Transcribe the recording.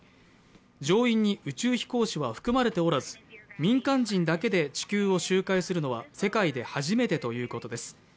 乗員に宇宙飛行士は含まれておらず、民間人だけで地球を周回するのは世界で初めてということです。